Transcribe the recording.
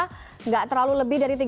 tidak terlalu lebih dari